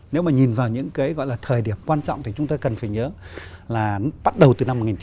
nếu mà nhìn vào những cái gọi là thời điểm quan trọng thì chúng ta cần phải nhớ là bắt đầu từ năm một nghìn chín trăm bảy mươi